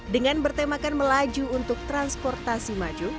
dengan bertemakan melaju untuk transportasi maju